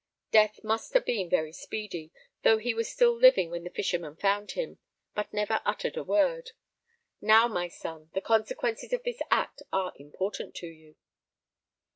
Death must have been very speedy, though he was still living when the fishermen found him, but never uttered a word. Now, my son, the consequences of this act are important to you."